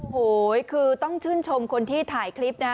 โหยคือต้องชื่นชมคนที่ถ่ายคลิปนะ